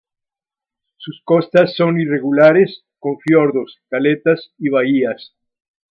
Sus costas son irregulares, con fiordos, caletas y bahías.